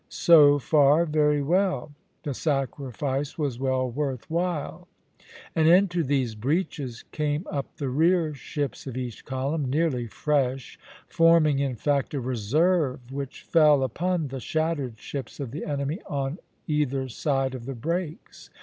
So far, very well; the sacrifice was well worth while; and into these breaches came up the rear ships of each column, nearly fresh, forming in fact a reserve which fell upon the shattered ships of the enemy on either side of the breaks.